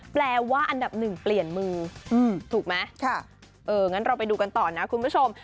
แปลว่าอันดับ๑เปลี่ยนมือถูกมั้ยค่ะเอองั้นเราไปดูกันต่อนะคุณผู้ชม